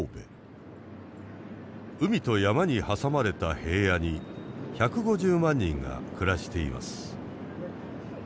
海と山に挟まれた平野に１５０万人が暮らしています。